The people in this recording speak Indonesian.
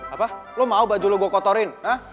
apa lo mau baju lo gue kotorin hah